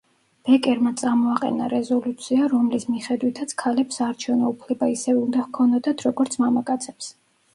ბეკერმა წამოაყენა რეზოლუცია, რომლის მიხედვითაც ქალებს საარჩევნო უფლება ისევე უნდა ქონოდათ როგორც მამაკაცებს.